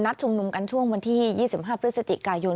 ชุมนุมกันช่วงวันที่๒๕พฤศจิกายน